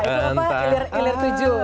itu apa ilir tujuh